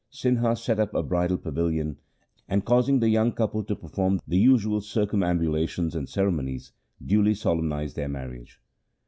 Sinha set up a bridal pavilion, and causing the young couple to perform the usual circumambulations and ceremonies, duly solemnized their marriage.